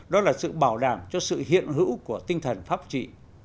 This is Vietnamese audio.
đó là sự bảo đảm cho sự hiện hữu của tinh thần pháp trị